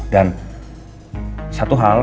dan satu hal